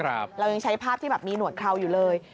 เรายังใช้ภาพที่แบบมีหนวดเคราอยู่เลย